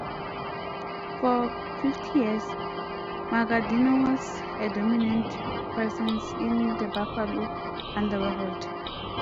For fifty years, Magaddino was a dominant presence in the Buffalo underworld.